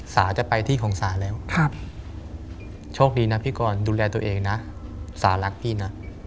สาจะไปที่ของศาลแล้วโชคดีนะพี่กรดูแลตัวเองนะสารักพี่นะ